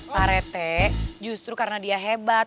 pak rete justru karena dia hebat